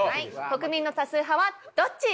国民の多数派はどっち？